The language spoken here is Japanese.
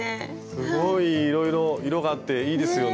すごいいろいろ色があっていいですよね。